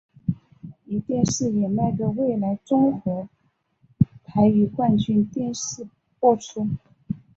壹电视也卖给纬来综合台与冠军电视播出。